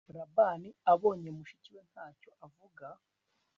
Labani abonye mushiki we ntacyo avuga